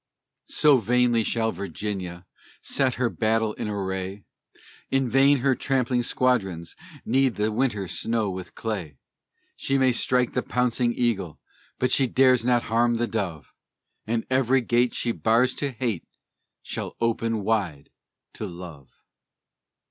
So vainly shall Virginia set her battle in array; In vain her trampling squadrons knead the winter snow with clay. She may strike the pouncing eagle, but she dares not harm the dove; And every gate she bars to Hate shall open wide to Love!